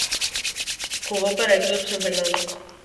Jugó para el Club San Fernando.